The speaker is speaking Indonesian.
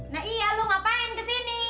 nah iya lu ngapain kesini